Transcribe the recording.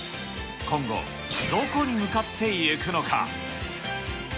今後、どこに向かっていくのか。